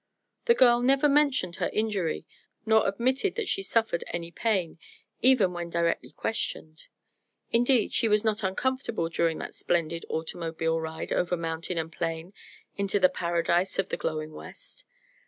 The girl never mentioned her injury nor admitted that she suffered any pain, even when directly questioned. Indeed she was not uncomfortable during that splendid automobile ride over mountain and plain into the paradise of the glowing West.